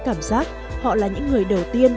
cảm giác họ là những người đầu tiên